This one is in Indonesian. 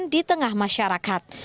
di tengah masyarakat